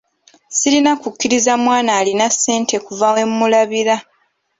Sirina kukkiriza mwana alina ssente kuva we mmulabira.